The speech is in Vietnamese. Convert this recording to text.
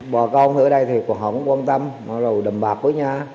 bà con ở đây thì họ cũng quan tâm đầm bạc với nha